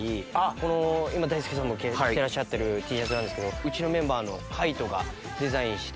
この今大輔さんも着てらっしゃるＴシャツなんですけどうちのメンバーの海人がデザインして。